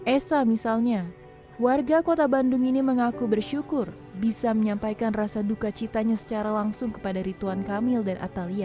esa misalnya warga kota bandung ini mengaku bersyukur bisa menyampaikan rasa duka citanya secara langsung kepada rituan kamil dan atalia